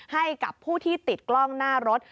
ให้กับผู้ที่ติดกล้องหน้ารถ